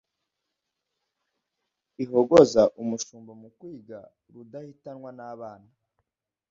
Igahoza umushumba mu kigwa !Rudahitanwa n' abana,